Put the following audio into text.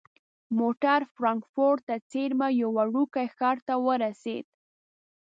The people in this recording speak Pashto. موټر فرانکفورت ته څیرمه یوه وړوکي ښار ته ورسید.